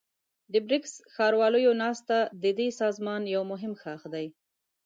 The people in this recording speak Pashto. د بريکس ښارواليو ناسته ددې سازمان يو مهم ښاخ دی.